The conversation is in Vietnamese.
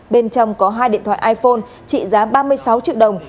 bên trong có hai điện thoại iphone trị giá ba mươi sáu triệu đồng